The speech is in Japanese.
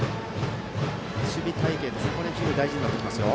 守備隊形が非常に大事になってきますよ。